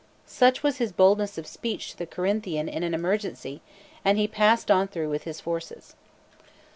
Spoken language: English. Such was his boldness of speech to the Corinthian in an emergency, and he passed on through with his forces.